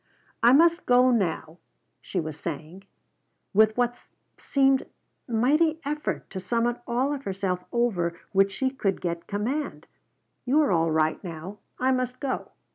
"I must go now," she was saying, with what seemed mighty effort to summon all of herself over which she could get command. "You are all right now. I must go."